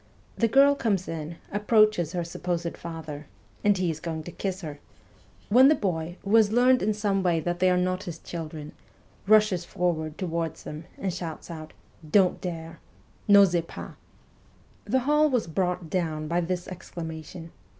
The girl comes in, approaches her supposed father, and he is going to kiss her when the boy, who has learned in some way that they are not his children, rushes forward towards him, and shouts out :" Don't dare !" N'osez pas I 1 The hall was brought down by this exclamation.